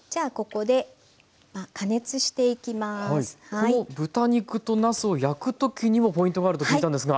この豚肉となすを焼く時にもポイントがあると聞いたんですが。